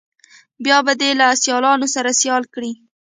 بیا به دې له سیالانو سره سیال کړي.